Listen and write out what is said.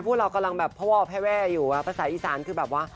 พวกเรากำลังแบบพ่อวอบแว่อยู่ภาษาอีสานคือแบบว่า